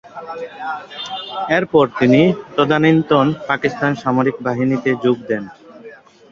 এরপর তিনি তদানীন্তন পাকিস্তান সামরিক বাহিনীতে যোগ দেন।